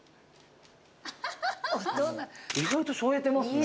意外としょえてますね。